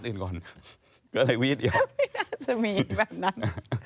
ไม่น่าจะมีแบบนั้น